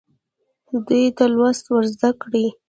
دوی ته لوست ورزده کړئ.